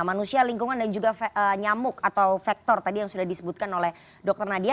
manusia lingkungan dan juga nyamuk atau faktor tadi yang sudah disebutkan oleh dr nadia